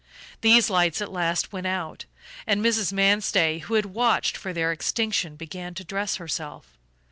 These lights at last went out, and Mrs. Manstey, who had watched for their extinction, began to dress herself.